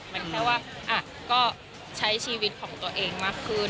มันแค่ว่าก็ใช้ชีวิตของตัวเองมากขึ้น